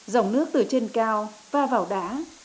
dòng nước từ trên cao va vào đá